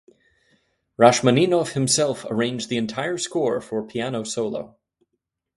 Rachmaninoff himself arranged the entire score for piano solo.